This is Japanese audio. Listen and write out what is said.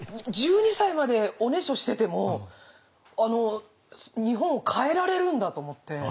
１２歳までおねしょしてても日本を変えられるんだと思って。